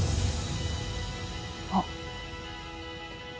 あっ。